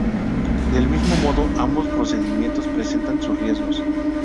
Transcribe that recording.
Del mismo modo, ambos procedimientos presentan sus riesgos.